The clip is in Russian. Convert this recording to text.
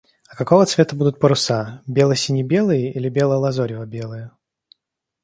А какого цвета будут паруса? Бело-сине-белые или бело-лазорево-белые?